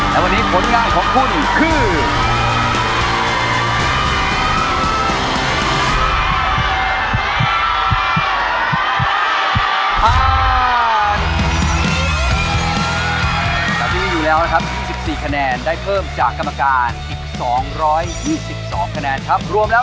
และวันนี้ผลงานของคุณคือ